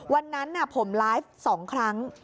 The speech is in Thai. วันนั้นผมไลฟ์๒ครั้ง